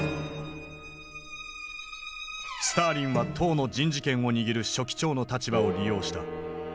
スターリンは党の人事権を握る書記長の立場を利用した。